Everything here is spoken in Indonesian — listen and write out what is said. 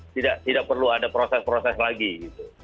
tidak perlu ada proses proses lagi gitu